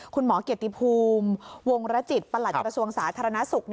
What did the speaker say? คุณหมอเกียรติภูมิวงรจิตประหลัดกระทรวงสาธารณสุข